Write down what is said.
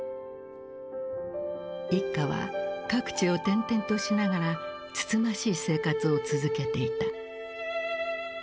一家は各地を転々としながらつつましい生活を続けていた。